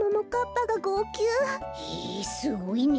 へえすごいね！